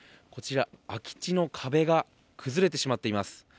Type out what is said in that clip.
こちら空き地の壁が崩れてしまっています。